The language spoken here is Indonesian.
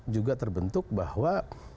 juga terbentuk bahwa